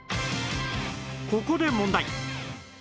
ここで問題